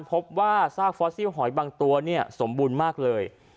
พอพบว่าซากฟอร์ซิวหอยบางตัวสมบูรณ์มากเลย